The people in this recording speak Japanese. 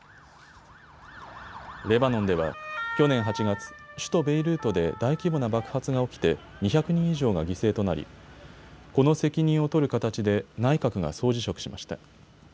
レバノンでは去年８月、首都ベイルートで大規模な爆発が起きて２００人以上が犠牲となりこの責任を取る形で内閣が総辞職しました。